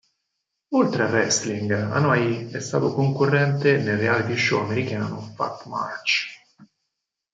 Oltre al wrestling, Anoa'i è stato un concorrente nel reality show americano "Fat March".